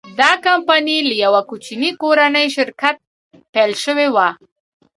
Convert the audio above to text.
دا کمپنۍ له یوه کوچني کورني شرکت پیل شوې وه.